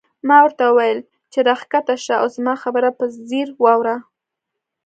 ما ورته وویل چې راکښته شه او زما خبره په ځیر واوره.